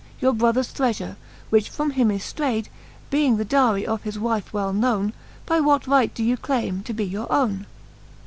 Your brothers threafure, which from him is ftrayd, Being the dowry of his wife well knowne, By what right doe you claime to be your owne